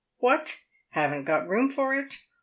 What ! haven't got room for it !